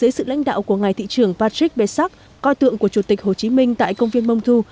dưới sự lãnh đạo của ngài thị trưởng patrick bessac coi tượng của chủ tịch hồ chí minh tại công viên montclair